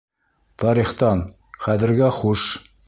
Тарихтан: Хәҙергә хуш.